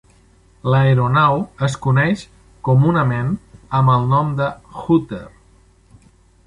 L'aeronau es coneix comunament amb el nom de "Hooter".